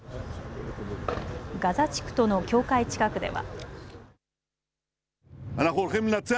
ガザ地区との境界近くでは。